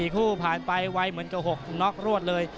คู่ผ่านไปวัยเหมือนกับ๖น็อกรวดเลย